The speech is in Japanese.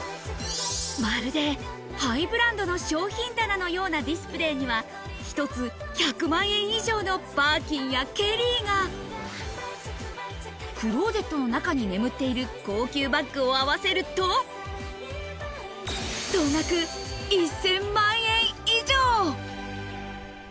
まるでハイブランドの商品棚のようなディスプレーには１つ１００万円以上のバーキンやケリーがクローゼットの中に眠っている高級バッグを合わせるとちなみに。